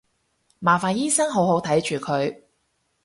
麻煩醫生好好睇住佢